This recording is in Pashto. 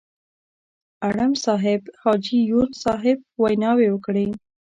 اړم صاحب، حاجي یون صاحب ویناوې وکړې.